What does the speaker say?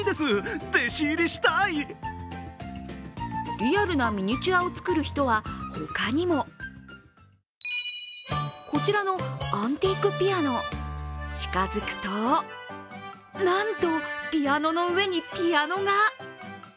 リアルなミニチュアを作る人は、他にも。こちらのアンティークピアノ。近づくと、なんとピアノの上にピアノが。